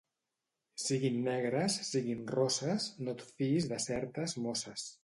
Siguin negres, siguin rosses, no et fiïs de certes mosses.